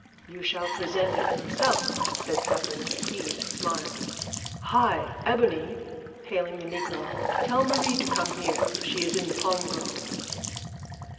"You shall present it yourself," said Zeppa, with a pleased smile. "Hi! Ebony," hailing the negro, "tell Marie to come here. She is in the palm grove."